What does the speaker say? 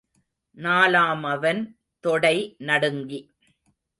நாலாமவன் தொடை நடுங்கி.